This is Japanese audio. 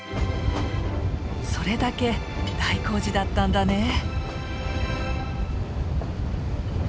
それだけ大工事だったんだね。